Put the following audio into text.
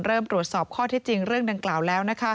ตรวจสอบข้อที่จริงเรื่องดังกล่าวแล้ว